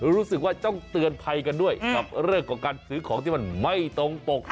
รู้สึกว่าต้องเตือนภัยกันด้วยกับเรื่องของการซื้อของที่มันไม่ตรงปก